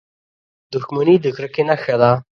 • دښمني د کرکې نښه ده.